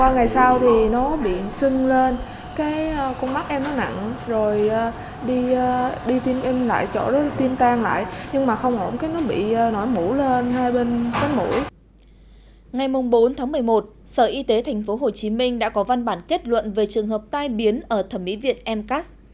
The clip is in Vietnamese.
ngày bốn tháng một mươi một sở y tế tp hcm đã có văn bản kết luận về trường hợp tai biến ở thẩm mỹ viện mcas